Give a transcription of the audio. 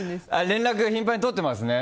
連絡、頻繁にとってますね。